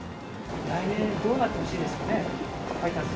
来年、どうなってほしいです